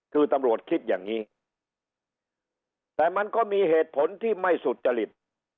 คือตำรวจคิดอย่างนี้แต่มันก็มีเหตุผลที่ไม่สุจริต